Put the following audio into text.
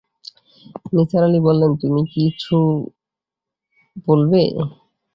নিসার আলি বললেন, তুমি কি কিছু বলবে?